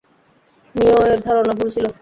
নিওয়ের ধারণা ভুল ছিল।